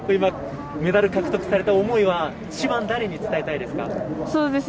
メダル獲得された思いは一番誰に伝えたいですか？